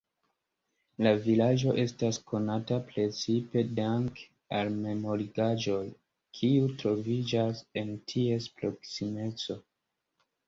La vilaĝo estas konata precipe danke al memorigaĵoj, kiuj troviĝas en ties proksimeco.